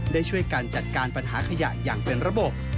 ได้ช่วยการจัดการปัญหาขยะอย่างเป็นระบบ